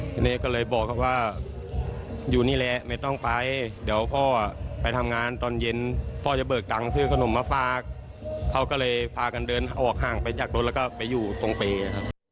ทีนี้ก็เลยบอกเขาว่าอยู่นี่แหละไม่ต้องไปเดี๋ยวพ่อไปทำงานตอนเย็นพ่อจะเบิกตังค์ซื้อขนมมาฝากเขาก็เลยพากันเดินออกห่างไปจากรถแล้วก็ไปอยู่ตรงเปย์ครับ